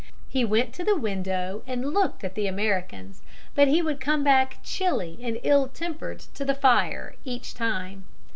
He went to the window and looked at the Americans, but he would come back chilly and ill tempered to the fire each time.